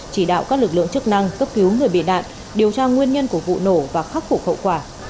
chỉ đạo các lực lượng chức năng cấp cứu người bị nạn điều tra nguyên nhân của vụ nổ và khắc phục hậu quả